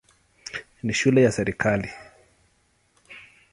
Ni shule ya serikali.